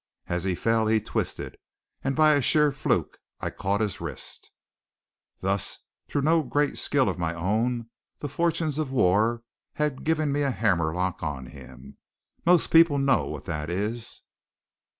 As he fell he twisted, and by a sheer fluke I caught his wrist. Thus through no great skill of my own the fortunes of war had given me a hammerlock on him. Most people know what that is.